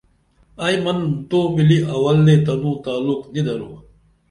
ائی منُم تو ملی اول دے تنوں تعلق نی درو